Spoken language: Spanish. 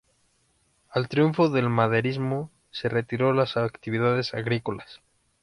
Al triunfo del maderismo, se retiró a las actividades agrícolas.